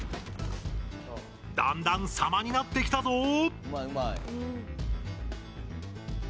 だんだんさまになってきたぞ。